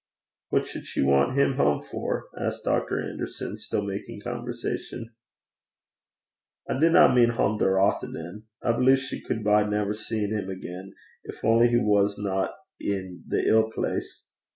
'What should she want him home for?' asked Dr. Anderson, still making conversation. 'I didna mean hame to Rothieden. I believe she cud bide never seein' 'im again, gin only he wasna i' the ill place.